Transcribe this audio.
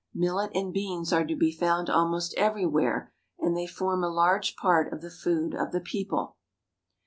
Millet and beans are to be found almost every where, and they form a large part of the food of the people.